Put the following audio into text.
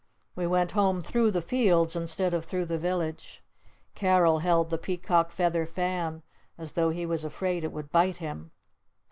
We went home through the fields instead of through the village. Carol held the Peacock Feather Fan as though he was afraid it would bite him.